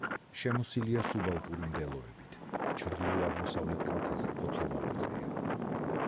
შემოსილია სუბალპური მდელოებით, ჩრდილო-აღმოსავლეთ კალთაზე ფოთლოვანი ტყეა.